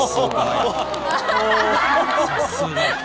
さすが。